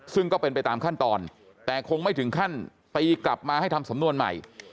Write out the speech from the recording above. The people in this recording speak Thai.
ซึ่งก็เป็นไปตามขั้นตอนแต่คงไม่ถึงขั้นตีกลับมาให้ทำสำนวนใหม่